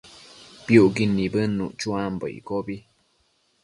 Piucquid nibëdnuc chuambo iccobi